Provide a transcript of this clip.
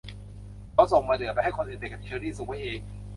เขาส่งมะเดื่อไปให้คนอื่นแต่เก็บเชอรี่สุกไว้เอง